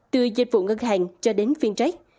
từ dịch vụ ngân hàng cho đến phiên trách